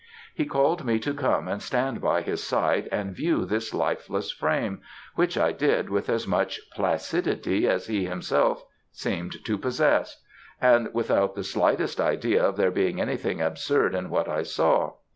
He called me to come and stand by his side and view this lifeless frame, which I did with as much placidity as he seemed himself to possess, and without the slightest idea of their being anything absurd in what I saw.